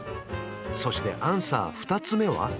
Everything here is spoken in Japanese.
そしてアンサー２つ目は？